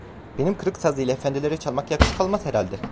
Benim kırık saz ile efendilere çalmak yakışık almaz herhalde!